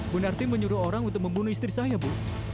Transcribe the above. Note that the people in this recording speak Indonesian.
bu narti menyuruh orang untuk membunuh istri saya bu